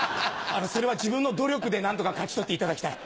それは自分の努力で何とか勝ち取っていただきたい。